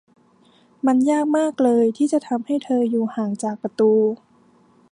มันยากมากเลย ที่จะทำให้เธออยู่ห่างจากประตู